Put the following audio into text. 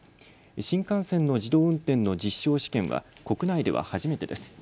新幹線の自動運転の実証試験は国内では初めてです。